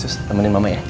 sus temenin mama ya